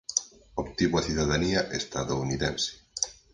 Obtivo a cidadanía estadounidense.